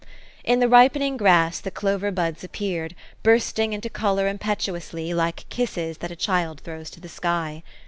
In the ripening grass the clover buds appeared, bursting into color impetuously, like kisses that a child throws to the sky.